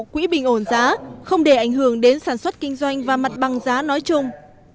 quỹ bình ổn giá không để ảnh hưởng đến sản xuất kinh doanh và mặt bằng giá nói chung